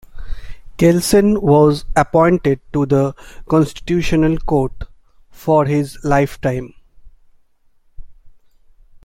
Kelsen was appointed to the Constitutional Court, for his lifetime.